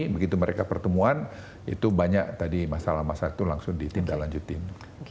begitu mereka pertemuan itu banyak tadi masalah masalah itu langsung ditindaklanjutin